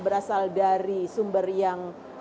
berasal dari sumber yang